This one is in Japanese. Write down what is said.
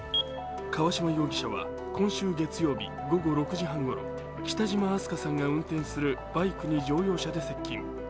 川島容疑者は今週月曜日午後６時半ごろ、北島明日翔さんが運転するバイクに乗用車で接近。